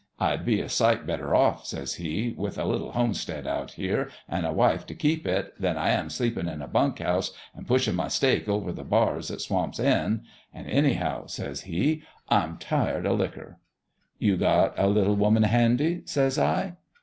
I'd be a sight better off/ says he, ' with a little homestead out here, an' a wife t' keep it, than I am sleepin' in a bunk house an' pushin' my stake over the bars o' Swamp's End. An' anyhow,' says he, ' I'm tired o' liquor.' "' You got a little woman handy ?' says I.